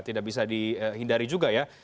tidak bisa dihindari juga ya